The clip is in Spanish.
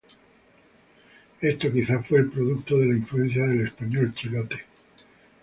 Esto quizás fue producto de la influencia del español chilote.